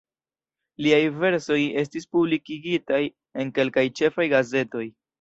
Liaj versoj estis publikigitaj en kelkaj ĉefaj gazetoj.